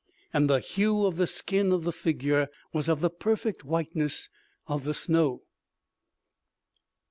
And the hue of the skin of the figure was of the perfect whiteness of the snow.